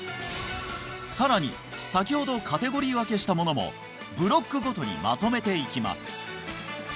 さらに先ほどカテゴリー分けしたものもブロックごとにまとめていきます